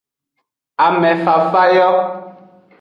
Ame fafa yo.